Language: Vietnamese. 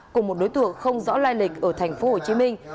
cùng một đối tượng không rõ lai lịch ở tp hồ chí minh